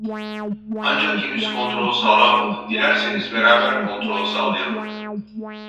Ancak henüz kontrol sağlanmadı , dilerseniz beraber kontrol sağlayalım